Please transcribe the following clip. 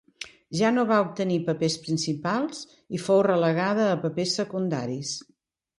Ja no va obtenir papers principals i fou relegada a papers secundaris.